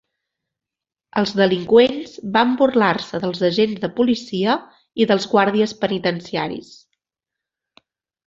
Els delinqüents van burlar-se dels agents de policia i dels guàrdies penitenciaris.